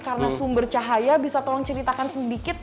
karena sumber cahaya bisa tolong ceritakan sedikit